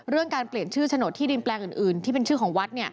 การเปลี่ยนชื่อโฉนดที่ดินแปลงอื่นที่เป็นชื่อของวัด